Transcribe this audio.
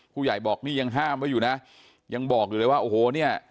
ผู้ใหญ่บอกนี่ยังห้ามไว้อยู่นะยังบอกอยู่เลยว่าโอ้โหเนี่ย